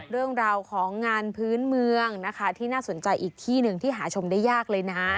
เรื่องราวของงานพื้นเมืองนะคะที่น่าสนใจอีกที่หนึ่งที่หาชมได้ยากเลยนะ